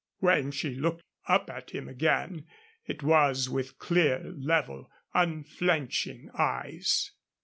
When she looked up at him again it was with clear, level, unflinching eyes.